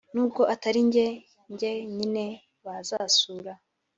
nubwo atari njye njye nyine bazasura